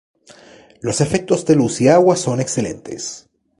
Los efectos de luz y agua son excelentes.